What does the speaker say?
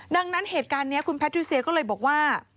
ดังนั้นเหตุการณ์นี้คุณแพทิเซียก็เลยบอกว่า